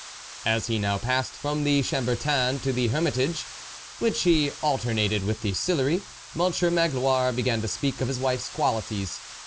As he now passed from the Chambertin to the Hermitage, which he alternated with the Sillery, Monsieur Magloire began to speak of his wife's qualities.